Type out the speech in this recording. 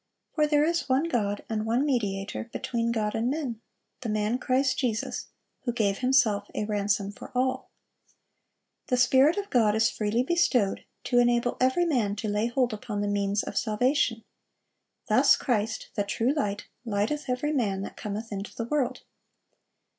For there is one God, and one mediator between God and men, the man Christ Jesus; who gave Himself a ransom for all."(378) The Spirit of God is freely bestowed, to enable every man to lay hold upon the means of salvation. Thus Christ, "the true Light," "lighteth every man that cometh into the world."